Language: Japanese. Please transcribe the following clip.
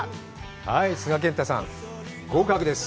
はい、須賀健太さん、合格です。